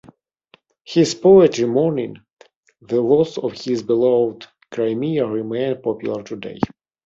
His poetry mourning the loss of his beloved Crimea remain popular today.